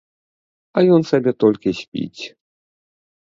А ён сабе толькі спіць!